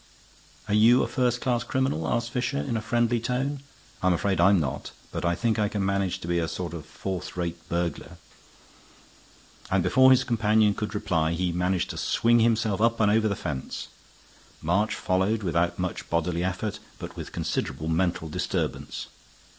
"Are you a first class criminal?" asked Fisher, in a friendly tone. "I'm afraid I'm not. But I think I can manage to be a sort of fourth rate burglar." And before his companion could reply he had managed to swing himself up and over the fence; March followed without much bodily effort, but with considerable mental disturbance.